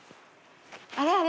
あれ？